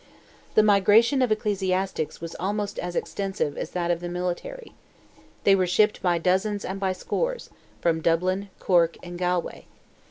The migration of ecclesiastics was almost as extensive as that of the military. They were shipped by dozens and by scores, from Dublin, Cork, and Galway.